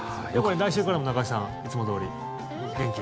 来週からも中居さんいつもどおり、元気に。